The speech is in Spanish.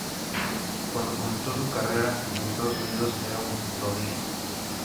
Cuando comenzó su carrera en Estados Unidos era un prodigio.